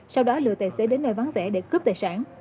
sau đó lừa tài xế đến nơi vắng vẻ để cướp tài sản